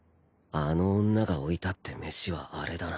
あの女が置いたって飯はあれだな